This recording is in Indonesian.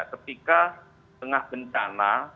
ketika tengah bencana